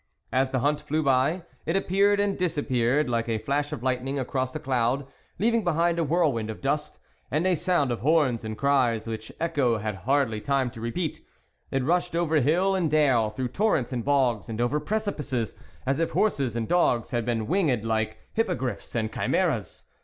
As the hunt flew by, it appeared and disappeared like a flash of lightning across a cloud, leaving behind a whirlwind of dust, and a sound of horns and cries which echo had hardly time to repeat. It rushed over hill and dale, through torrents and bogs, and over precipices, as if horses and dogs had been winged like HippogrifFs and Chimeras.